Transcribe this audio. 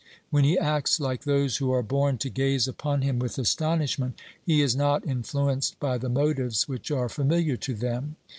When he acts like those who are born to gaze upon him with astonishment, he is not influenced by the motives which are familiar to them.